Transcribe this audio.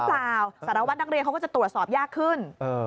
สารวัตรนักเรียนเขาก็จะตรวจสอบยากขึ้น